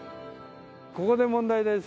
ここで問題です。